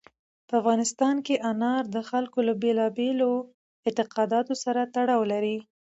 په افغانستان کې انار د خلکو له بېلابېلو اعتقاداتو سره تړاو لري.